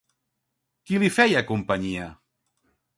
Qui li feia companyia?